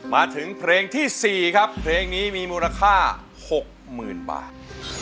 มาถึงเพลงที่๔ครับเพลงนี้มีมูลค่า๖๐๐๐บาท